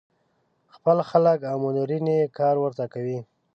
خپل خلک او منورین یې کار ورته کوي.